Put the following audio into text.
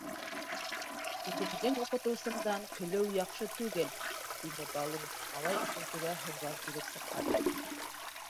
— Үҙеңдең уҡытыусыңдан көлөү яҡшы түгел! — тине Балу, малай өсөнсөгә һыуҙан килеп сыҡҡас.